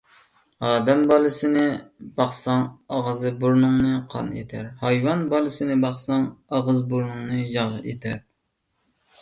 ئادەم بالىسىنى باقساڭ ئاغزى-بۇرنۇڭنى قان ئېتەر، ھايۋان بالىسىنى باقساڭ ئاغزى-بۇرنۇڭنى ياغ ئېتەر.